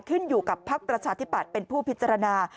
ขึ้นอยู่กับภักดิ์ประชาธิปัตย์เป็นผู้พิจารณา